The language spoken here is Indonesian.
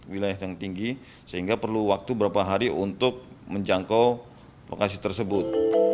wilayah yang tinggi sehingga perlu waktu berapa hari untuk menjangkau lokasi tersebut